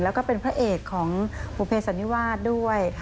แล้วก็เป็นพระเอกของบุเภสันนิวาสด้วย